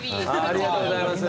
ありがとうございます。